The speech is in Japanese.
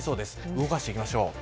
動かしてみましょう。